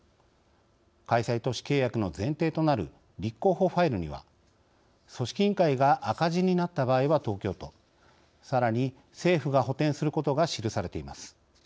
開催都市契約の前提となる立候補ファイルには組織委員会が赤字になった場合は東京都さらに政府が補填することが記されています。